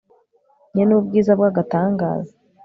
nyen'ubwiza bw'agatangaza